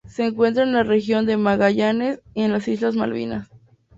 Se encuentra en la región de Magallanes y en las islas Malvinas.